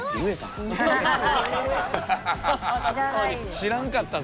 知らんかったぞ